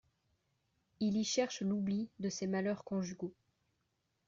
Il y cherche l’oubli de ses malheurs conjugaux.